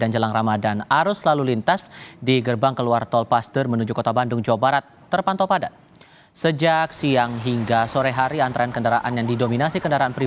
jalan jalan dokter junjunan